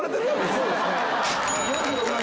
そうですね。